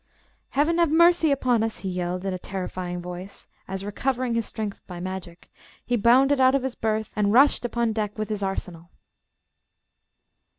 "Heaven ha' mercy upon us!" he yelled in a terrifying voice, as, recovering his strength by magic, he bounded out of his berth, and rushed upon deck with his arsenal.